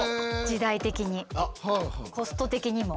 時代的に。